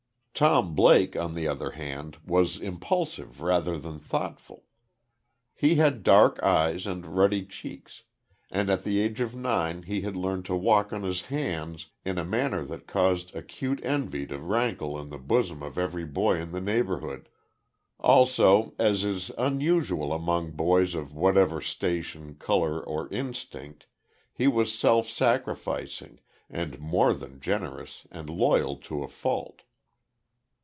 Tom Blake, on the other hand, was impulsive rather than thoughtful. He had dark eyes and ruddy cheeks; and, at the age of nine, he had learned to walk on his hands in a manner that caused acute envy to rankle in the bosom of every boy in the neighborhood. Also, as is most unusual among boys of whatever station, color or instinct, he was self sacrificing, and more than generous, and loyal to a fault.